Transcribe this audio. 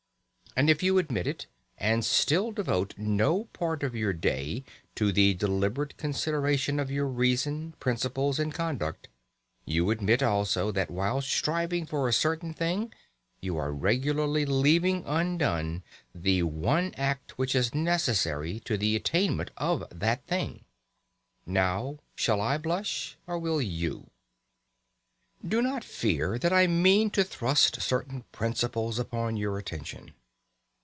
And if you admit it, and still devote no part of your day to the deliberate consideration of your reason, principles, and conduct, you admit also that while striving for a certain thing you are regularly leaving undone the one act which is necessary to the attainment of that thing. Now, shall I blush, or will you? Do not fear that I mean to thrust certain principles upon your attention.